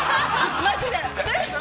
マジで。